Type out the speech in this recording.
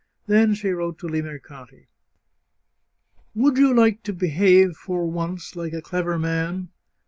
Then she wrote to Limercati :" Would you like to behave, for once, like a clever man?